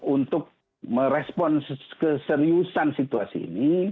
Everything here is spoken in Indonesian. untuk merespon keseriusan situasi ini